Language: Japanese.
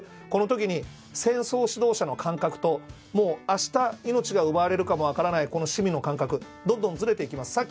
この時に戦争指導者の感覚と明日、命が奪われるかもしれない市民の感覚どんどんずれていきます。